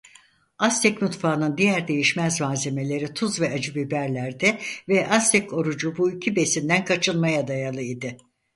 Aztek mutfağının diğer değişmez malzemeleri tuz ve acı biberlerdi ve Aztek orucu bu iki besinden kaçınmaya dayalı idi.